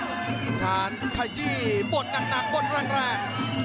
อุ้งชาลไข่จี้บดหนักบดรังแรก